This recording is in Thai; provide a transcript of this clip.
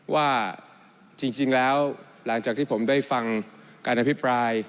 ว่าจริงแล้วหลังจากที่ผมได้ฟังการอภิปราย